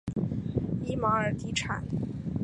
伊玛尔地产。